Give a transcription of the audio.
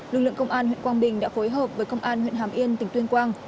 lực lượng công an huyện quang bình đã phối hợp với công an huyện hà miên tỉnh tuyên quang